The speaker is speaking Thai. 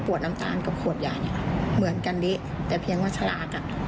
ปวดน้ำตาลกับขวดยาเหมือนกันดิแต่เพียงว่าฉลาก